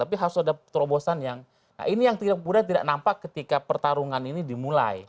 tapi harus ada terobosan yang nah ini yang kemudian tidak nampak ketika pertarungan ini dimulai